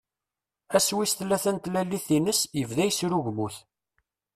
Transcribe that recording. Ass wis tlata n tlalit-ines, yebda yesrugmut.